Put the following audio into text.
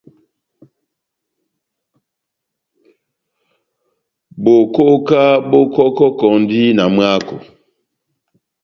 Bokoka bó kɔkɔkɔndi na mwáko.